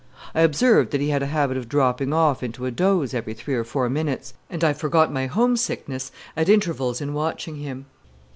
I observed that he had a habit of dropping off into a doze every three or four minutes, and I forgot my homesickness at intervals in watching him.